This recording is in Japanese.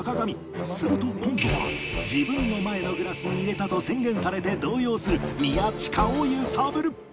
すると今度は自分の前のグラスに入れたと宣言されて動揺する宮近を揺さぶる